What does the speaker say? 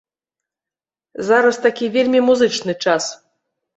Зараз такі вельмі музычны час.